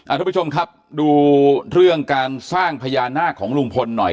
ทุกผู้ชมครับดูเรื่องการสร้างพญานาคของลุงพลหน่อย